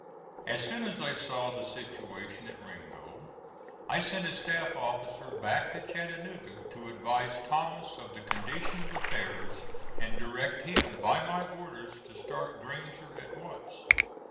As soon as I saw the situation at Ringgold I sent a staff officer back to Chattanooga to advise Thomas of the condition of affairs, and direct him by my orders to start Granger at once.